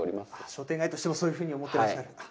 商店街としてもそういうふうに思っていらっしゃる。